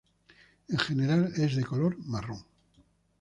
En general, es de color marrón.